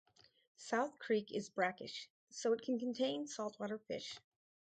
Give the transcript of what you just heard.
South Creek is brackish, so it can contain saltwater fish.